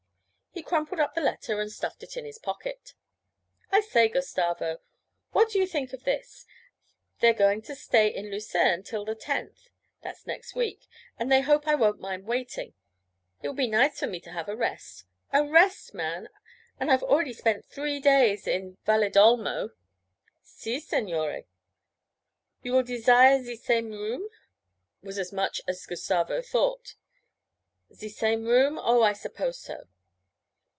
He crumpled up the letter and stuffed it in his pocket. 'I say, Gustavo, what do you think of this? They're going to stay in Lucerne till the tenth that's next week and they hope I won't mind waiting; it will be nice for me to have a rest. A rest, man, and I've already spent three days in Valedolmo!' 'Si, signore, you will desire ze same room?' was as much as Gustavo thought. 'Ze same room? Oh, I suppose so.'